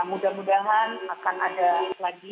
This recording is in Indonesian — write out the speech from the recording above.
mudah mudahan akan ada lagi